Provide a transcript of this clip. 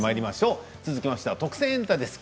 続きましては「特選！エンタ」です。